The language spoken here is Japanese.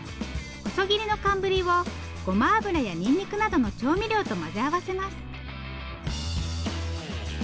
細切りの寒ブリをごま油やにんにくなどの調味料と混ぜ合わせます。